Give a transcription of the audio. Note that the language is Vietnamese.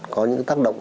có những tác động